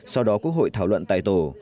sau đó quốc hội thảo luận tài tổ